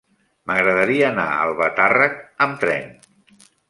M'agradaria anar a Albatàrrec amb tren.